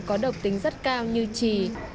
có độc tính rất cao như trì